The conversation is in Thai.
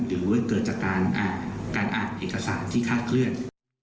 หรือเกิดจากการอ่านเอกสารที่คาดเคลื่อน